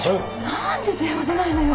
何で電話出ないのよ。